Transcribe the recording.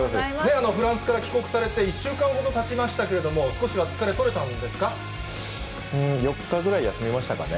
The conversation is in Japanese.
フランスから帰国されて１週間ほどたちましたけれども、４日ぐらい休みましたかね。